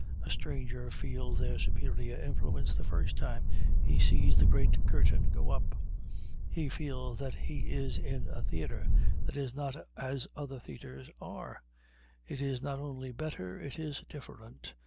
A stranger feels their superior influence the first time he sees the great curtain go up; he feels that he is in a theater that is not as other theaters are. It is not only better, it is different.